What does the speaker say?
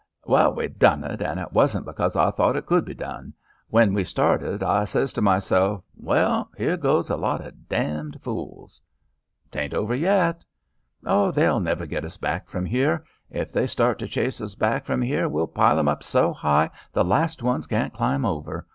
"Well, we done it, an' it wasn't b'cause I thought it could be done. When we started, I ses to m'self: 'Well, here goes a lot o' d d fools.'" "'Tain't over yet." "Oh, they'll never git us back from here. If they start to chase us back from here we'll pile 'em up so high the last ones can't climb over.